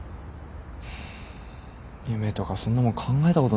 夢とかそんなもん考えたことないな。